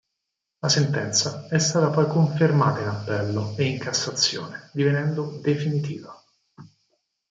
La sentenza è stata poi confermata in Appello e in Cassazione, divenendo definitiva.